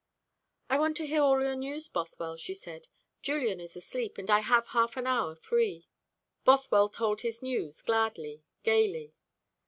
"I want to hear all your news, Bothwell," she said. "Julian is asleep, and I have half an hour free." Bothwell told his news gladly, gaily.